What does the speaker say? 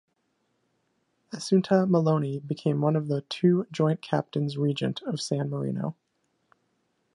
Assunta Meloni became one of the two Joint Captains Regent of San Marino.